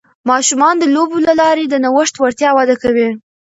ماشومان د لوبو له لارې د نوښت وړتیا وده کوي.